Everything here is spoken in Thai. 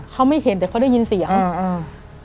เขาไม่เห็นแต่เขาได้ยินเสียงอ่า